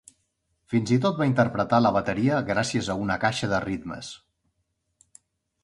Fins i tot va interpretar la bateria gràcies a una caixa de ritmes.